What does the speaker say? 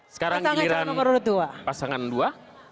sekarang giliran pasangan dua